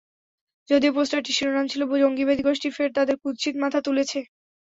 যদিও পোস্টারটির শিরোনাম ছিল জঙ্গিবাদী গোষ্ঠী ফের তাদের কুৎসিত মাথা তুলেছে।